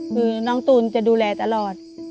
คือน้องตูนจะดูแลตลอด